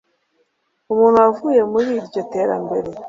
umuntu wavuye muri iryo terambere